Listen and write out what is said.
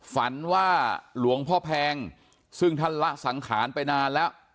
ฝันว่าหลวงพ่อแพงซึ่งท่านละสังขารไปนานแล้ว